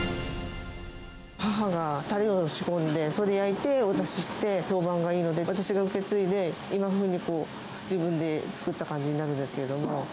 母がたれを仕込んでそれで焼いてお出しして、評判がいいので、私が受け継いで、今風に自分で作った感じになるんですけども。